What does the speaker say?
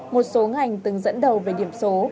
một số ngành từng dẫn đầu về điểm số